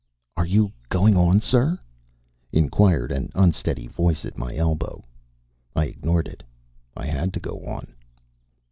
"Are you going on, sir?" inquired an unsteady voice at my elbow. I ignored it. I had to go on.